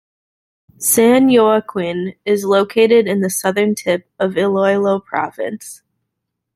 San Joaquin is located in the southern tip of Iloilo Province.